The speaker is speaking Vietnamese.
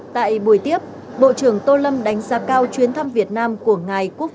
tại buổi tiếp bộ trưởng tô lâm đánh giá cao chuyến thăm việt nam của ngài quốc